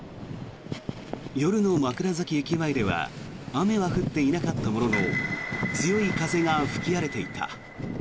夜の枕崎駅前では雨は降っていなかったものの強い風が吹き荒れていた。